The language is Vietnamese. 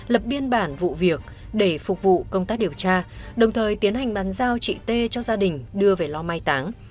lập biên bản vụ việc để phục vụ công tác điều tra đồng thời tiến hành bàn giao chị t cho gia đình đưa về lo mai táng